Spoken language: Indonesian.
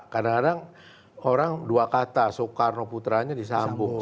kadang kadang orang dua kata soekarno putranya disambung